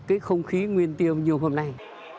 cái không khí nguyên tiêu như hôm nay